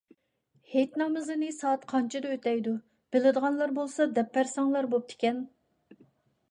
ھېيت نامىزىنى سائەت قانچىدە ئۆتەيدۇ؟ بىلىدىغانلار بولسا دەپ بەرسەڭلار بوپتىكەن.